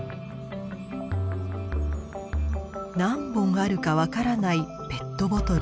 何本あるかわからないペットボトル。